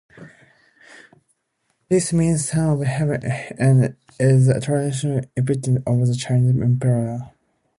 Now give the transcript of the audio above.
This means "son of Heaven" and is the traditional epithet of the Chinese emperor.